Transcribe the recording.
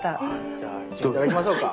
じゃあ頂きましょうか。